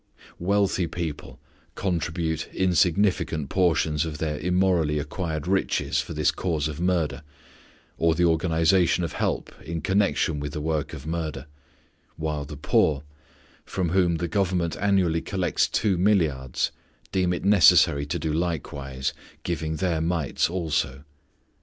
Wealthy people contribute insignificant portions of their immorally acquired riches for this cause of murder or the organization of help in connection with the work of murder; while the poor, from whom the Government annually collects two milliards, deem it necessary to do likewise, giving their mites also.